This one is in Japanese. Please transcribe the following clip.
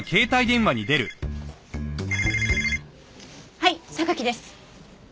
はい榊です。